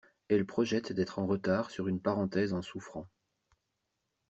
Elles projettent d'être en retard sur une parenthèse en souffrant.